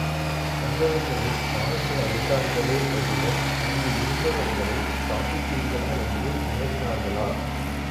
வந்தவர்களை வா என்று அழைத்தார்களே தவிர அங்கு இருந்தவர்களைச் சாப்பிட்டீர்களா என்று வினவினார்களா?